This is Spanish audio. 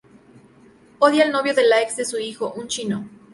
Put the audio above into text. Odia al novio de la ex de su hijo: un chino.